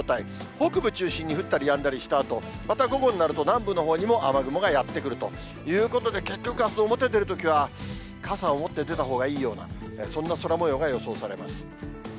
北部中心に降ったりやんだりしたあと、また午後になると、南部のほうにも雨雲がやって来るということで、結局、あす表出るときは、傘を持って出たほうがいいような、そんな空もようが予想されます。